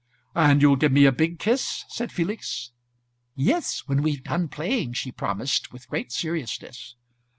"And you'll give me a big kiss?" said Felix. "Yes, when we've done playing," she promised with great seriousness.